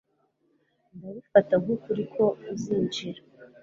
Ndabifata nkukuri ko uzinjira